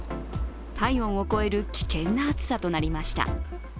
体温を超える危険な暑さとなりました。